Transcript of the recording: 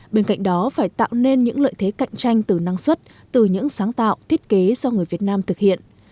bên cạnh đó phải tạo nên những lợi thế cạnh tranh từ năng suất từ những sáng tạo thiết kế do người việt nam thực hiện